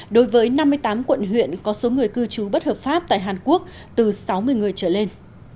đối với năm mươi tám quận huyện có số người cư trú bất hợp pháp tại hàn quốc từ sáu mươi người trở lên